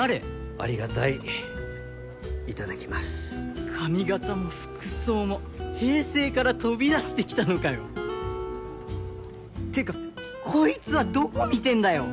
ありがたいいただきます髪型も服装も平成から飛び出してきたのかよってかこいつはどこ見てんだよ